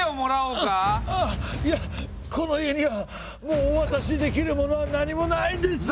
あっいやこの家にはもうおわたしできるものは何もないんです。